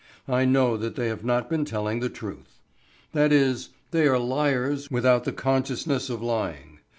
I know that they have not been telling the truth. That is, they are liars without the consciousness of lying.